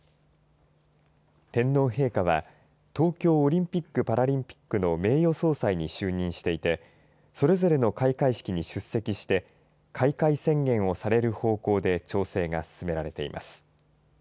天皇陛下は東京オリンピックパラリンピックに名誉総裁に就任していてそれぞれの開会式に出席して開会宣言をされる方向で調整が進められています。